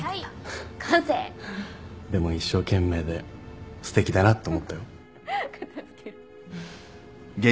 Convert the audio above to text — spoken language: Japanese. フフッでも一生懸命ですてきだなって思ったよ。